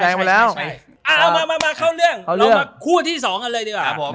เอามาเข้าเรื่องเรามาคู่ที่สองกันเลยดีกว่า